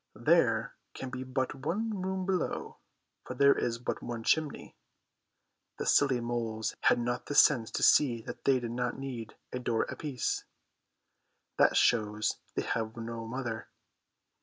There can be but one room below, for there is but one chimney. The silly moles had not the sense to see that they did not need a door apiece. That shows they have no mother.